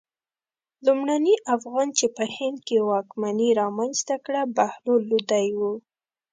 لومړني افغان چې په هند کې واکمني رامنځته کړه بهلول لودی و.